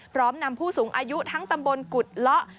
พร้อมนำผู้สูงอายุทั้งตำบลกุฎเลาะ